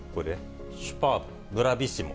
シュパー・ブラビッシモ。